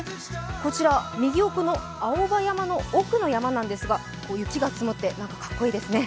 こちら右奥の青葉山の奥の山なんですが、雪が積もって、かっこいいですね。